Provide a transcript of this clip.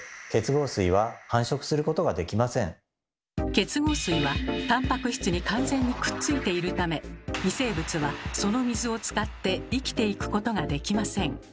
結合水はたんぱく質に完全にくっついているため微生物はその水を使って生きていくことができません。